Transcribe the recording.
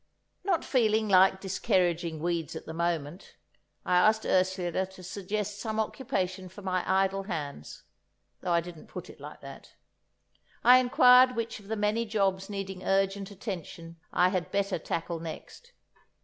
Not feeling like diskerridging weeds at the moment, I asked Ursula to suggest some occupation for my idle hands, though I didn't put it like that; I inquired which of the many jobs needing urgent attention I had better tackle next.